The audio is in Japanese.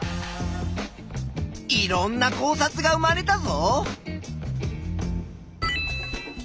いろんな考察が生まれたぞ。